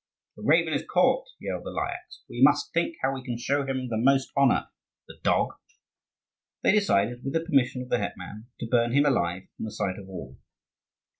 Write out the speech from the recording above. "The raven is caught!" yelled the Lyakhs. "We must think how we can show him the most honour, the dog!" They decided, with the permission of the hetman, to burn him alive in the sight of all.